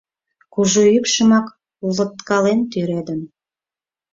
Кужу ӱпшымак лодкален тӱредын.